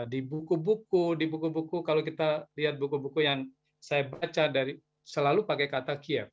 di buku buku di buku buku kalau kita lihat buku buku yang saya baca dari selalu pakai kata kiev